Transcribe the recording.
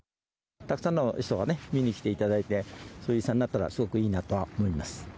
たくさんの人がね見に来ていただいてそういう場になったらすごくいいなと思います。